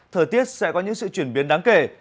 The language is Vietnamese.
thời tiết sẽ có những sự chuyển biến đáng kể